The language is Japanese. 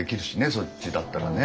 そっちだったらね。